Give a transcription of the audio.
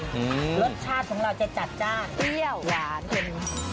รสชาติของเราจะจาดเตรี้ยวหวานเผ็ด